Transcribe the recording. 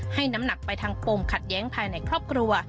น้ำหนักไปทางปมขัดแย้งภายในครอบครัว